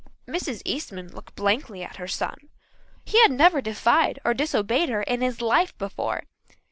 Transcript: Mrs. Eastman looked blankly at her son. He had never defied or disobeyed her in his life before.